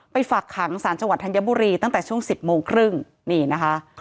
ฝากขังสารจังหวัดธัญบุรีตั้งแต่ช่วง๑๐โมงครึ่งนี่นะคะ